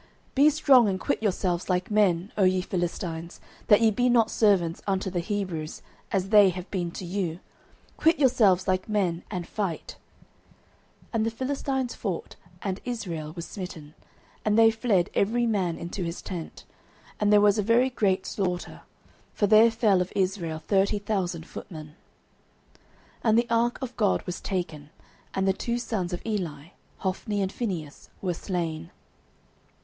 09:004:009 Be strong and quit yourselves like men, O ye Philistines, that ye be not servants unto the Hebrews, as they have been to you: quit yourselves like men, and fight. 09:004:010 And the Philistines fought, and Israel was smitten, and they fled every man into his tent: and there was a very great slaughter; for there fell of Israel thirty thousand footmen. 09:004:011 And the ark of God was taken; and the two sons of Eli, Hophni and Phinehas, were slain.